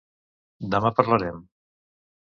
Demà parlarem.